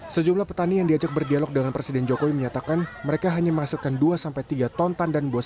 sejumlah petani yang diajak berdialog dengan presiden jokowi menyatakan mereka hanya menghasilkan dua tiga ton tandan buah